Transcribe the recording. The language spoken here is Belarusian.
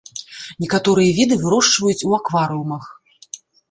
Некаторыя віды вырошчваюць у акварыумах.